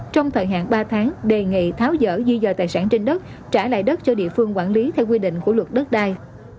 trong thời hạn ba tháng đề nghị tháo dỡ di dời tài sản trên đất trả lại đất cho địa phương quản lý theo quy định của luật đất đai